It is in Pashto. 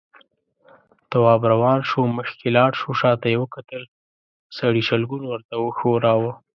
تواب روان شو، مخکې لاړ، شاته يې وکتل، سړي شلګون ورته وښوراوه.